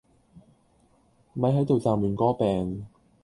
咪係度劖亂歌柄